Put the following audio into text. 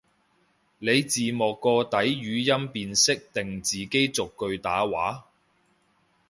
你字幕個底語音辨識定自己逐句打話？